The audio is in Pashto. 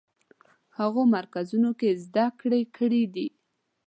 هغو مرکزونو کې زده کړې کړې دي.